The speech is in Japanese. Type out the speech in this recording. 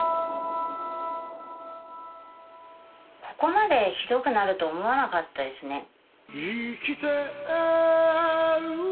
ここまでひどくなると思わなかったですね。